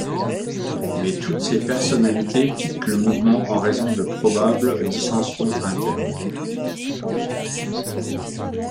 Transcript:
Mais toutes ces personnalités quittent le mouvement en raison de probables dissensions internes.